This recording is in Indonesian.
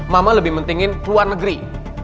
mama lebih pentingin ke luar negeri